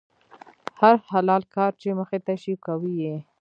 هر حلال کار چې مخې ته شي، کوي یې.